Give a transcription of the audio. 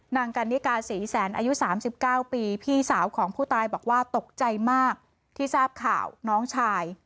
นางกันนิกาศรีแสนอายุ๓๙ปีพี่สาวของผู้ตายบอกว่าตกใจมากที่ทราบข่าวน้องชาย